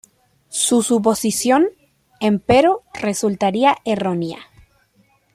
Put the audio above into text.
Su suposición, empero, resultaría errónea.